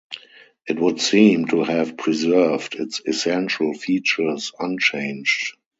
It would seem to have preserved its essential features unchanged.